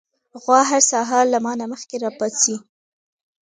غوا هر سهار له ما نه مخکې راپاڅي.